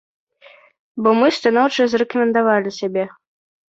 Бо мы станоўча зарэкамендавалі сябе.